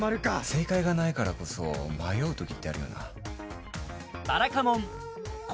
正解がないからこそ迷う時ってあるよな。